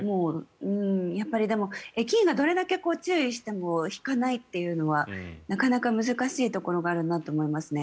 やっぱり駅員がどれだけ注意しても引かないというのはなかなか難しいところがあるなと思いますね。